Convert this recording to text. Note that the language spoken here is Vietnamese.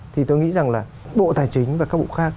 thì tôi nghĩ rằng là bộ tài chính và các bộ khác